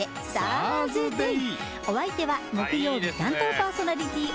お相手は木曜日担当パーソナリティー。